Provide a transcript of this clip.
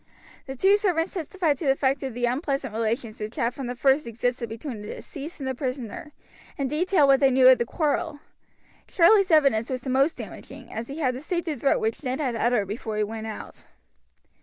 The two servants testified to the fact of the unpleasant relations which had from the first existed between the deceased and the prisoner, and detailed what they knew of the quarrel. Charlie's evidence was the most damaging, as he had to state the threat which Ned had uttered before he went out.